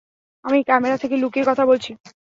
আমি ক্যামেরা থেকে লুকিয়ে কথা বলছি।